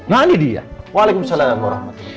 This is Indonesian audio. nah ini dia waalaikumsalam warahmatullahi wabarakatuh